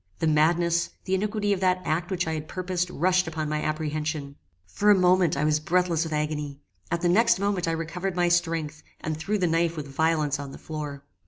The madness, the iniquity of that act which I had purposed rushed upon my apprehension. For a moment I was breathless with agony. At the next moment I recovered my strength, and threw the knife with violence on the floor.